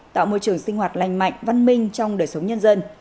tạo môi trường sinh hoạt lành mạnh văn minh trong đời sống nhân dân